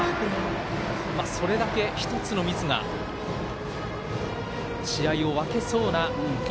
それだけ１つのミスが試合を分けそうな